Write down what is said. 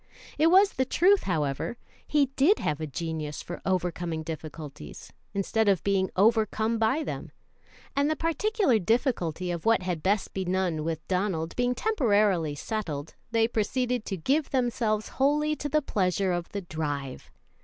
It was the truth, however. He did have a genius for overcoming difficulties, instead of being overcome by them; and the particular difficulty of what had best be none with Donald being temporarily settled, they proceeded to give themselves wholly to the pleasure of the drive.